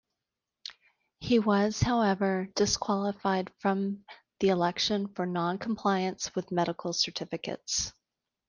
He was, however, disqualified from the election for non-compliance with medical certificates.